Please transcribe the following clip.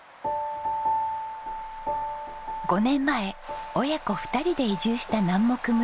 ５年前親子２人で移住した南牧村。